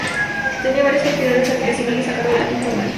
Tenía varias propiedades habitacionales a cargo en la Quinta Normal.